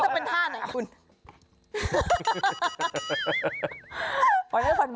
มันจะเป็นท่าไหนครับ